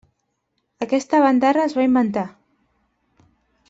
Aquesta bandarra els va inventar!